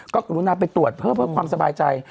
ก็กรุณาไปตรวจเพื่อความสบายใจ